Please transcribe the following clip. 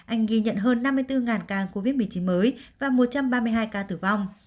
anh ghi nhận hơn năm mươi bốn ca covid một mươi chín mới và một trăm ba mươi hai ca tử vong